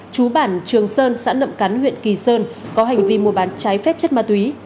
chú bản trường sơn xã nậm cắn huyện kỳ sơn có hành vi mua bán trái phép chất ma túy